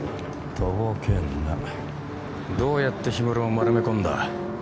とぼけんなどうやってヒムロをまるめこんだ？